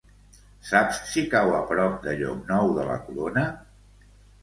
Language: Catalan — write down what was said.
Saps si cau a prop de Llocnou de la Corona?